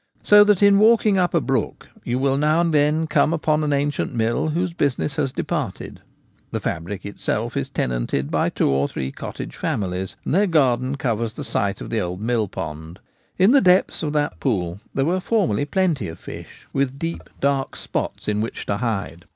So that in walking up a brook you will now and then come upon an ancient mill whose business has departed : the fabric itself is tenanted by two or three cottage families, and their garden covers the site of the old mill pond. In the depths. of that pool there were formerly plenty of fish, with deep, dark spots in which to hide.